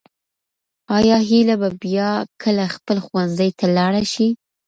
آیا هیله به بیا کله خپل ښوونځي ته لاړه شي؟